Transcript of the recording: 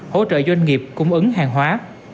hỗ trợ doanh nghiệp cung ứng hàng hóa